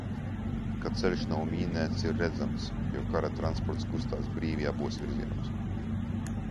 Ka ceļš nav mīnēts, ir redzams, jo kara transports kustās brīvi abos virzienos.